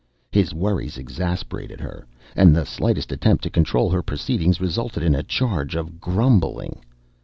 His worries exasperated her, and the slightest attempt to control her proceedings resulted in a charge of "grumbling."